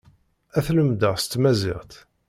Ad t-lemdeɣ s tmaziɣt.